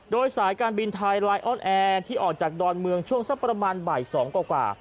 โดยสายการบินไทยไลน์ออนแอร์ที่ออกจากดอนเมืองช่วงสักประมาณบ่าย๒กว่า